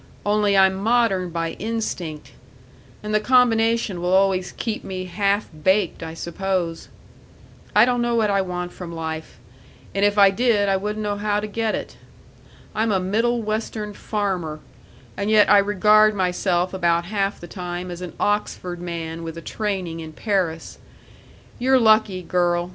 Only I'm modern by instinct, and the combination will always keep me half baked, I suppose. I don't know what I want from life, and if I did I wouldn't know how to get it. I'm a Middle Western farmer, and yet I regard myself about half the time as an Oxford man with a training in Paris. You're lucky, girl.